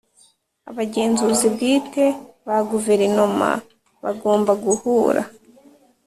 Abagenzuzi bwite ba Guverinoma bagomba guhura